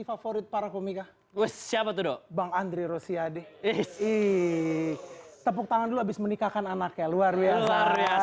favorit para komik siapa bang andri rosiade ih tepuk tangan habis menikahkan anaknya luar biasa